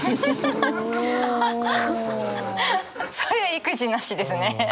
それいくじなしですね。